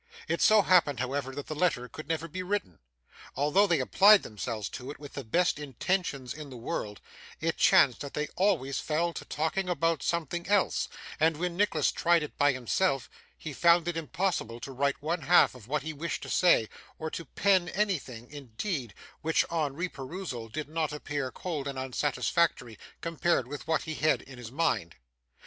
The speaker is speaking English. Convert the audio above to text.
It so happened, however, that the letter could never be written. Although they applied themselves to it with the best intentions in the world, it chanced that they always fell to talking about something else, and when Nicholas tried it by himself, he found it impossible to write one half of what he wished to say, or to pen anything, indeed, which on reperusal did not appear cold and unsatisfactory compared with what he had in his mind.